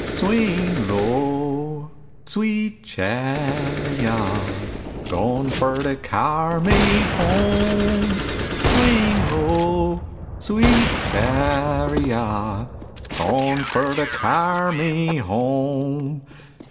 Swing low, sweet chariot Goin' fur to car' me home; Swing low, sweet chariot Goin' fur to car' me home.